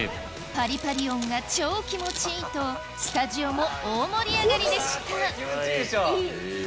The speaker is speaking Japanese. パリパリ音が超気持ちいいとスタジオも大盛り上がりでしたいい。